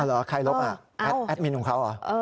อ่าวใครลบอ่ะแอดมินต์ของเขาเหรอ